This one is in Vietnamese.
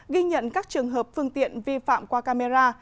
ghi nhận các trường hợp phương tiện vi phạm qua camera